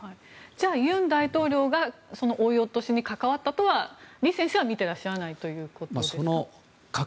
じゃあ尹大統領が追い落としに関わったとは李先生は見てらっしゃらないということでしょうか。